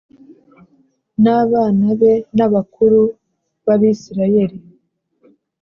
N abana be n abakuru b abisirayeli